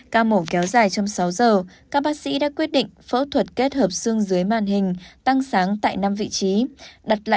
ca mổ kéo dài trong sáu giờ các bác sĩ đã quyết định phẫu thuật kết hợp xương dưới màn hình